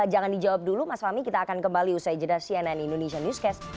jangan dijawab dulu mas fahmi kita akan kembali usai jeda cnn indonesia newscast